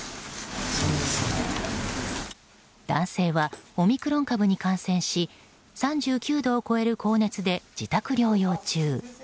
男性はオミクロン株に感染し３９度を超える高熱で自宅療養中。